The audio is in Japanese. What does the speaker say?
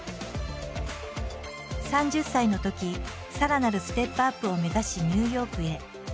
３０歳のときさらなるステップアップを目指しニューヨークへ。